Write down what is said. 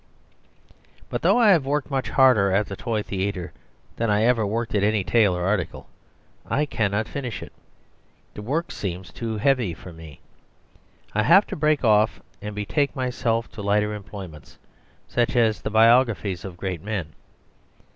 But though I have worked much harder at the toy theatre than I ever worked at any tale or article, I cannot finish it; the work seems too heavy for me. I have to break off and betake myself to lighter employments; such as the biographies of great men.